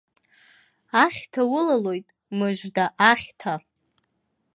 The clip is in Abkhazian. Ахьҭа улалоит, мыжда, ахьҭа!